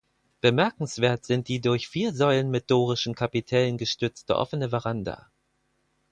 Bemerkenswert sind die durch vier Säulen mit dorischen Kapitellen gestützte offene Veranda.